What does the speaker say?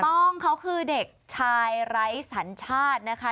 ต้องเขาคือเด็กชายไร้สัญชาตินะคะ